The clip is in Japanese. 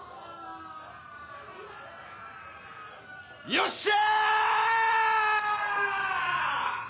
よっしゃ！